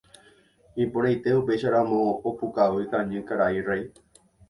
Iporãite upéicharamo opukavy kañy karai Réi.